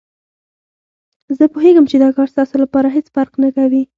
زه پوهېږم چې دا کار ستاسو لپاره هېڅ فرق نه کوي.